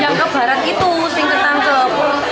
yang ke barat itu singketan ke baru dia nggak ngaku